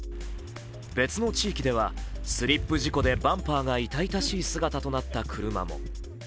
別の地域ではスリップ事故でバンパーが痛々しい姿になった車も。